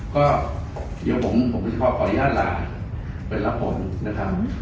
ก็เดี๋ยวผมจะขออนุญาตลาไปรับผมนะครับ